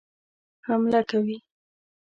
حمله کوي.